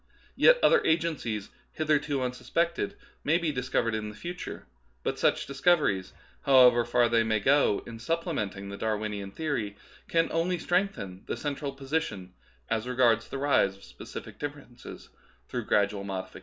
Yet other agencies, hitherto unsuspected, may be dis covered in the future ; but such discoveries, how ever far they may go in supplementing the Dar winian theory, can only strengthen the central position as regards the rise of specific differences through gradual modifications.